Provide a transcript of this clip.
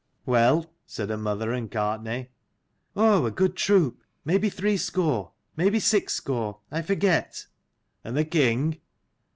"Well?" said her mother and Gartnaidh. "Oh, a good troop; maybe three score, maybe six score. I forget." "And the king?"